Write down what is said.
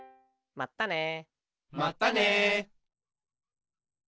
まったね。